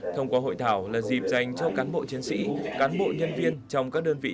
thông qua hội thảo là dịp dành cho cán bộ chiến sĩ cán bộ nhân viên trong các đơn vị